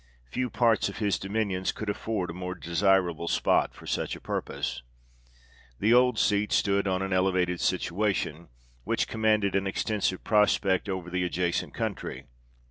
Few parts of his dominions could afford a more desirable spot for such a purpose. The old seat stood on an elevated situation, which com manded an extensive prospect over the adjacent country.